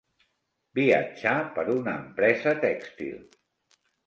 Viatjar per una empresa tèxtil.